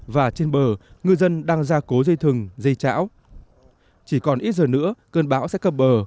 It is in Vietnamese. và trên bờ ngư dân đang ra cố dây thừng dây chão chỉ còn ít giờ nữa cơn bão sẽ cập bờ